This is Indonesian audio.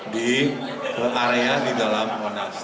di area di dalam monas